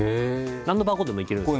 何のバーコードでもいけるんですよ。